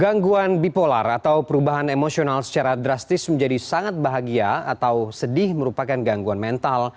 gangguan bipolar atau perubahan emosional secara drastis menjadi sangat bahagia atau sedih merupakan gangguan mental